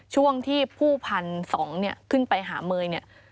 ช่วงที่ผู้พันธุ์สองขึ้นไปหาเมย์